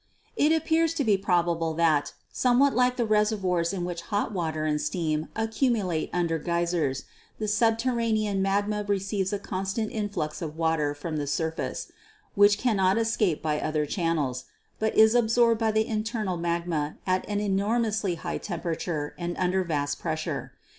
It appears to be probable that, somewhat like the reser voirs in which hot water and steam accumulate under geysers, the subterranean magma receives a constant in flux of water from the surface, which cannot escape by other channels, but is absorbed by the internal magma at an enormously high temperature and under vast pressure.